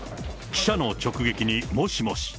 記者の直撃にもしもし。